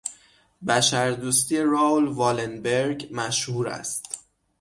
بشر دوستی رائول والن برگ مشهور است.